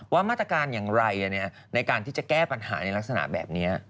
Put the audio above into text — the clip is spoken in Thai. ว่ามาตรการอย่างไรในการที่จะแก้ปัญหาในลักษณะแบบนี้